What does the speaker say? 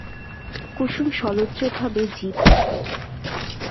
কুসুম সলজ্জভাবে জিভ দেখাইল।